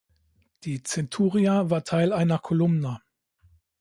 Die Centuria war Teil einer Columna.